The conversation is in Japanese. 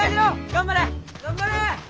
頑張れ！